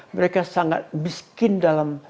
mereka sangat miskin dalam